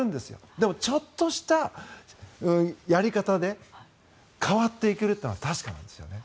でも、ちょっとしたやり方で変わっていけるというのは確かなんですよね。